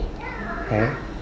thì nó không có mùi